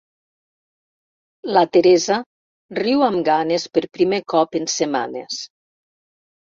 La Teresa riu amb ganes per primer cop en setmanes.